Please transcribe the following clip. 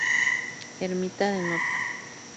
Ermita de Ntra.